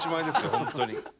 本当に」